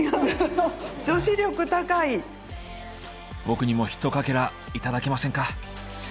僕にもひとかけら頂けませんか。